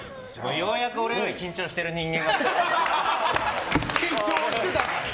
ようやく俺より緊張してる人間が。